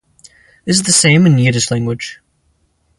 This is the same in Yiddish language.